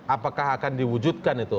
apakah akan diwujudkan itu